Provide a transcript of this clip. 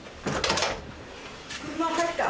車入った？